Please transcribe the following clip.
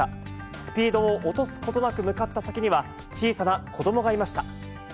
スピードを落とすことなく向かった先には、小さな子どもがいました。